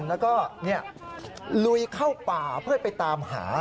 แล้วก็ลุยเข้าป่าเพื่อไปตามหา